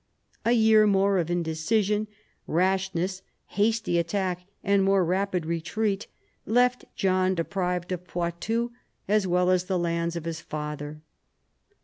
A year more of indecision, rashness, hasty attack and more rapid retreat, left John deprived of Poitou as well as the lands of his father.